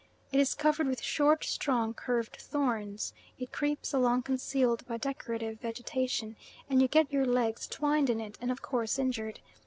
It is covered with short, strong, curved thorns. It creeps along concealed by decorative vegetation, and you get your legs twined in it, and of course injured.